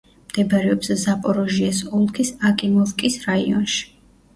მდებარეობს ზაპოროჟიეს ოლქის აკიმოვკის რაიონში.